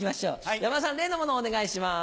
山田さん例のものをお願いします。